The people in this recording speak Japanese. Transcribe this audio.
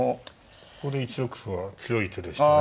ここで１六歩は強い手でしたね。